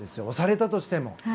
押されたとしても。